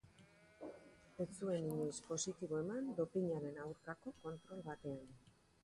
Ez zuen inoiz positibo eman dopinaren aurkako kontrol batean.